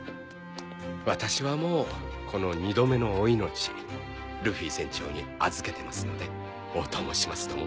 私はもうこの二度目のお命ルフィ船長に預けてますのでお供しますとも。